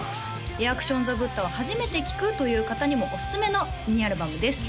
リアクションザブッタは初めて聴くという方にもおすすめのミニアルバムです